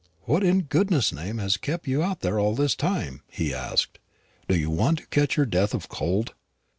"What in goodness' name has kept you out there all this time?" he asked; "do you want to catch your death of cold?"